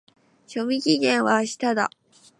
賞味期限は明日だ。